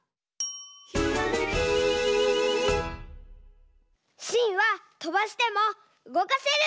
「ひらめき」しんはとばしてもうごかせるんだ！